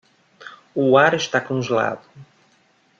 O ar está congelado